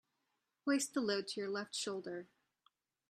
Hoist the load to your left shoulder.